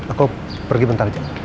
aku pergi bentar aja